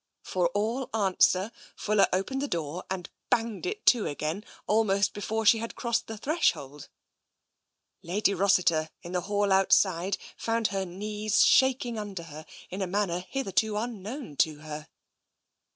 For all answer. Fuller opened the door and banged it to again almost before she had crossed the threshold. Lady Rossiter, in the hall outside, found her knees shaking under her in a manner hitherto unknown to her.